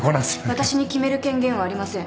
私に決める権限はありません。